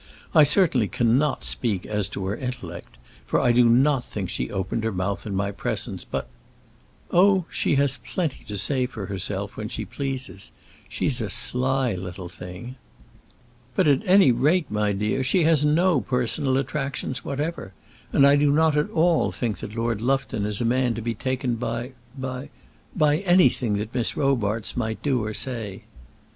I certainly cannot speak as to her intellect, for I do not think she opened her mouth in my presence; but " "Oh! she has plenty to say for herself, when she pleases. She's a sly little thing." "But, at any rate, my dear, she has no personal attractions whatever, and I do not at all think that Lord Lufton is a man to be taken by by by anything that Miss Robarts might do or say."